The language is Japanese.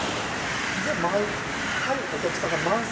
で毎回お客さんが満席。